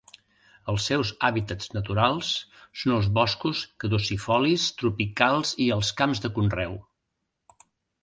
Els seus hàbitats naturals són els boscos caducifolis tropicals i els camps de conreu.